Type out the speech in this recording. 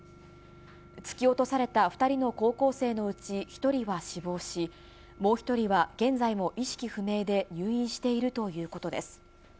突き落とされた２人の高校生のうち１人は死亡し、もう１人は現在も意識不明で入院しているということです。